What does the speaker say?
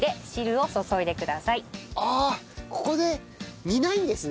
ああここで煮ないんですね。